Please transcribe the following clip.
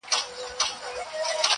توره مي تر خپلو گوتو وزي خو_